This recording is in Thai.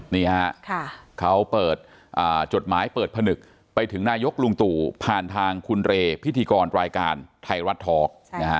นี่ฮะเขาเปิดจดหมายเปิดผนึกไปถึงนายกลุงตู่ผ่านทางคุณเรพิธีกรรายการไทยรัฐทอล์ก